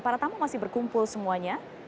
para tamu masih berkumpul semuanya